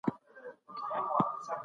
طبیعي علوم هم قوانین لري.